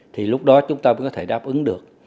thì lúc đó chúng ta mới có thể đáp ứng được